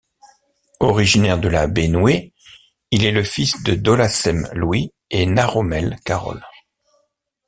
Originaire de la Bénoué il est le fils de Dolassem Louis et Naromel Carole.